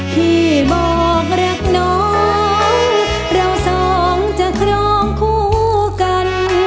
ที่บอกรักน้องเราสองจะครองคู่กัน